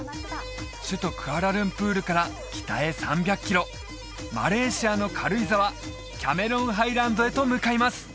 首都クアラルンプールから北へ３００キロマレーシアの軽井沢キャメロンハイランドへと向かいます